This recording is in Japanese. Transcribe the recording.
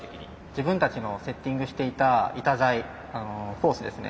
自分たちのセッティングしていた板材コースですね。